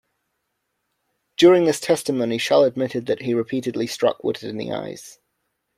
During this testimony, Shull admitted that he repeatedly struck Woodard in the eyes.